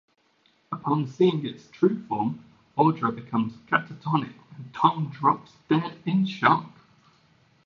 Upon seeing It's true form, Audra becomes catatonic and Tom drops dead in shock.